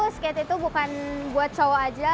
skate itu bukan buat cowok aja